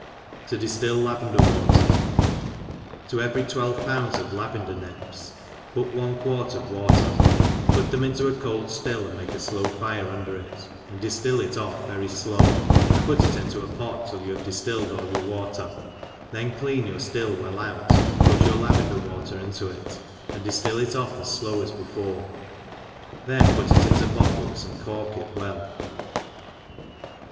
To dijlill Lavendar Water. TO c^rerj twelve pounds .of ]ajxcttfer« aiepa, put one quart of water, put them into a cold ftill, and Make a flow fire under it, and diftill it oS very flow, and put it into a pot till you have diftillcd all your water, then clean yow ftill well out, and put your lavendar water into it, and diftill it oft* as flow as before, then put it into l>ottIes, and cork it well.